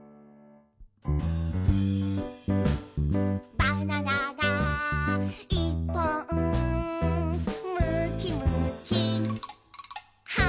「バナナがいっぽん」「むきむきはんぶんこ！」